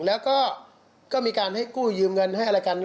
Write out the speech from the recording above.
แล้วก็มีการให้กู้ยืมเงินให้อะไรกัน